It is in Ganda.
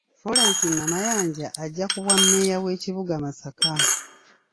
Florence Namayanja ajja ku bwammeeya bw'ekibuga Masaka.